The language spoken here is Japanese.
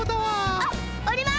あっおります！